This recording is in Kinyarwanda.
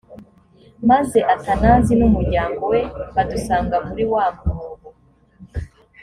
maze athanase n umuryango we badusanga muri wa mwobo